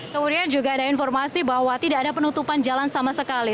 kemudian juga ada informasi bahwa tidak ada penutupan jalan sama sekali